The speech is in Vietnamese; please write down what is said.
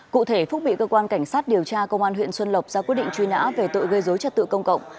cụ thể phúc bị cơ quan cảnh sát điều tra công an huyện xuân lộc ra quyết định truy nã về tội gây dối trật tự công cộng